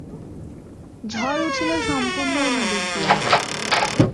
ঝড় উঠিল সম্পূর্ণ অন্য দিক দিয়া।